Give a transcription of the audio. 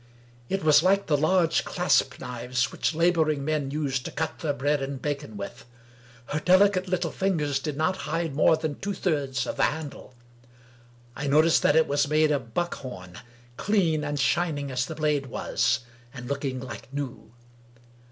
It was like the large clasp knives which laboring men use to cut their bread and bacon with. Her delicate little fingers did not hide more than two thirds of the handle; I noticed that it was made of buckhorn, clean and shining as the blade was, and looking like new.